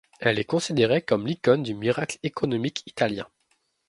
Elle est considérée comme l'icône du miracle économique italien.